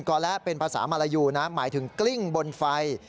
อแลเป็นภาษามารยูนะหมายถึงกลิ้งบนไฟ